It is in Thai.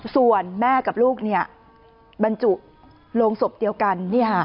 ส่วนแม่กับลูกบรรจุโรงศพเดียวกัน